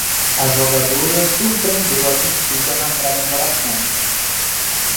A jogadora surpreendeu a torcida na comemoração